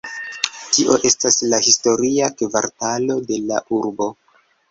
Tio estas la historia kvartalo de la urbo.